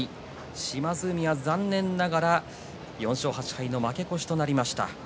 島津海は残念ながら４勝８敗の負け越しとなりました。